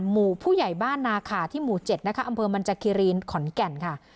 หมู่ผู้ใหญ่บ้านนาขาที่หมู่๗นะคะอำเภอมันจากคีรีนขอนแก่นค่ะ